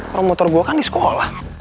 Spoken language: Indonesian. orang motor gua kan di sekolah